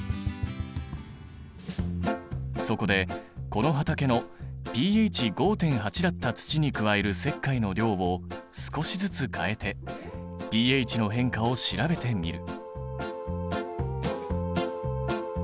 そこでこの畑のｐＨ５．８だった土に加える石灰の量を少しずつ変えてｐＨの変化を調べてみる。